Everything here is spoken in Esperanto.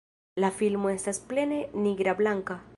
La filmo estas plene nigrablanka.